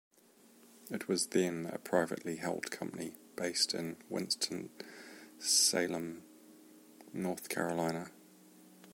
It was then a privately held company based in Winston-Salem, North Carolina.